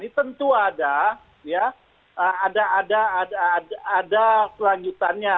tentu ada selanjutannya